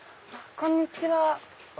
こんにちは。